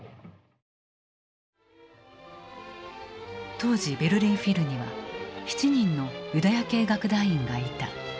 当時ベルリン・フィルには７人のユダヤ系楽団員がいた。